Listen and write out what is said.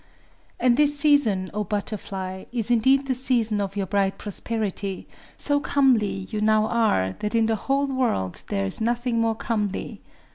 "And this season, O Butterfly, is indeed the season of your bright prosperity: so comely you now are that in the whole world there is nothing more comely.